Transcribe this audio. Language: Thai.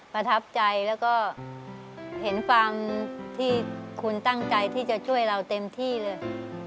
ประทับใจแล้วก็เห็นความที่คุณตั้งใจที่จะช่วยเราเต็มที่เลย